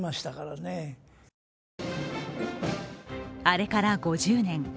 あれから５０年。